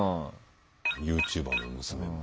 ユーチューバーの娘も。